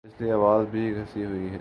اس لئے آواز بھی گھسی ہوئی آتی ہے۔